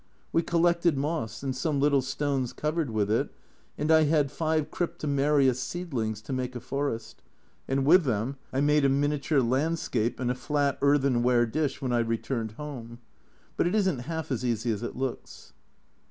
We collected moss, and some little stones covered with it, and I had five Crypto meria seedlings to make a forest, and with them I made a miniature landscape in a flat earthenware dish when I returned home but it isn't half as easy as it looks